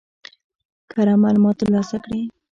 کره معلومات ترلاسه کړي.